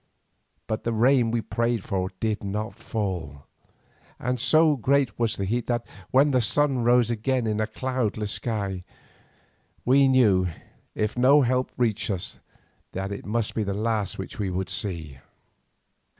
But the rain we prayed for did not fall, and so great was the heat that, when the sun rose again in a cloudless sky, we knew, if no help reached us, that it must be the last which we should see.